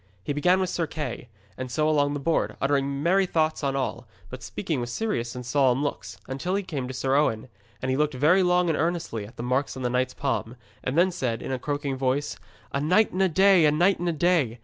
He began with Sir Kay, and so along the board, uttering merry thoughts on all, but speaking with serious and solemn looks, until he came to Sir Owen. And he looked long and earnestly at the marks in that knight's palm, and then said, in a croaking voice: 'A night and a day, a night and a day!